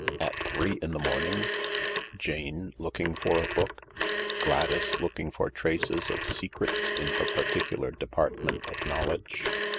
At three in the morning ? Jane, looking for a book ? Gladys, looking for traces of secrets in her particular department of knowledge